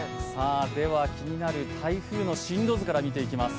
では気になる台風の進路図から見ていきます。